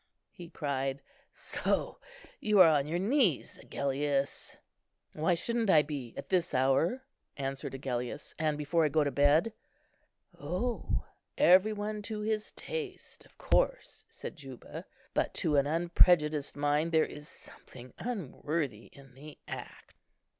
he cried; "so you are on your knees, Agellius." "Why shouldn't I be at this hour," answered Agellius, "and before I go to bed?" "O, every one to his taste, of course," said Juba; "but to an unprejudiced mind there is something unworthy in the act."